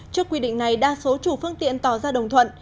trước quy định này đa số chủ phương tiện tỏ ra đồng thuận